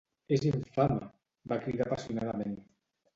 "És infame", va cridar apassionadament.